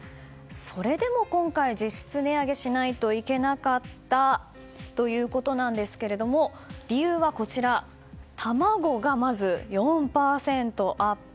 それでも今回実質値上げしないといけなかったということですが理由は、卵がまず４％アップ。